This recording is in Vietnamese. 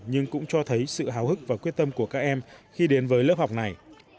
nhưng cũng cho thấy sự hào hức và quyết tâm của các em khi đến với lớp học này